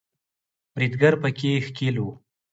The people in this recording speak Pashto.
بریدګر په کې ښکیل وو